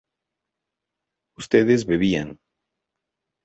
ustedes bebían